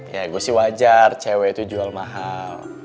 ya gue sih wajar cewek itu jual mahal